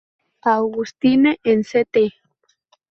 Augustine en St.